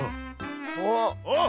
おっ。